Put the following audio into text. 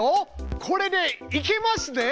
これでいけますね。